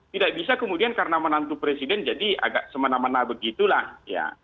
tidak bisa kemudian karena menantu presiden jadi agak semena mena begitulah ya